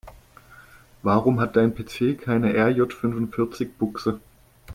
Warum hat dein PC keine RJ-fünfundvierzig-Buchse?